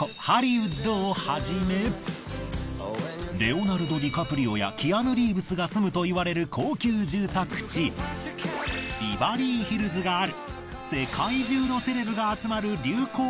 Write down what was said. ハリウッドをはじめレオナルド・ディカプリオやキアヌ・リーブスが住むといわれる高級住宅地ビバリーヒルズがある世界中の。